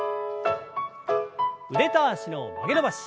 腕と脚の曲げ伸ばし。